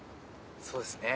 そうですね。